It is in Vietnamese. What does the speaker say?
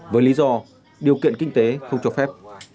với lý do điều kiện kinh tế không cho phép